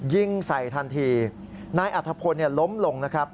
ยิงใส่ทันทีนายอัทธพนธ์ล้มลง